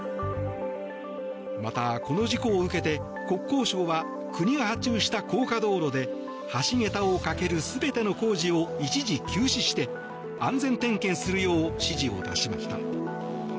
また、この事故を受けて国交省は国が発注した高架道路で橋桁を架ける全ての工事を一時休止して安全点検するよう指示を出しました。